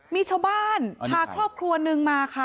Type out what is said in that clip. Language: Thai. มีชาวบ้านพาครอบครัวนึงมาค่ะ